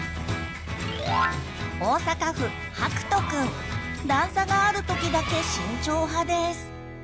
段差がある時だけ慎重派です。